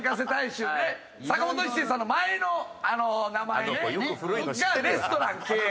坂本一生さんの前の名前ね。がレストラン経営。